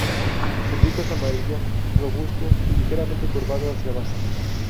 Su pico es amarillo, robusto y ligeramente curvado hacia abajo.